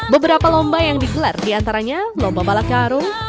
beberapa lomba yang digelar diantaranya lomba bala karung